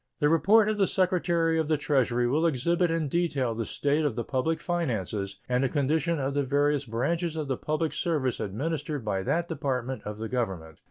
The report of the Secretary of the Treasury will exhibit in detail the state of the public finances and the condition of the various branches of the public service administered by that Department of the Government.